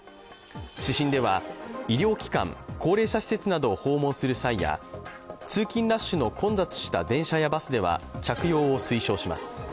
指針では、医療機関・高齢者施設などを訪問する際や通勤ラッシュの混雑した電車やバスでは着用を推奨します。